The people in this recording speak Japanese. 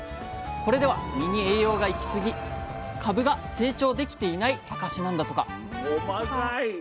これでは実に栄養が行きすぎ株が成長できていない証しなんだとか。